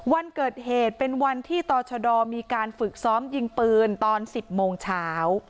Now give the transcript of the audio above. วันเกิดเหตุเป็นวันที่ต่อชดมีการฝึกซ้อมยิงปืนตอน๑๐โมงเช้า